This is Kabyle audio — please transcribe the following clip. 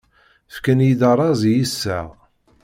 Fkan-iyi-d arraz i yiseɣ.